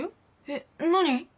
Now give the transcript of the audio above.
えっ何？